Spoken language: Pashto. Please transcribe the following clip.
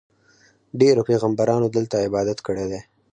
ډېرو پیغمبرانو دلته عبادت کړی دی.